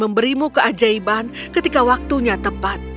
memberimu keajaiban ketika waktunya tepat